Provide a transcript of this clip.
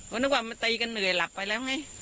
ก็นึกว่ามันตีกันเหนื่อยหลับไปแล้วไง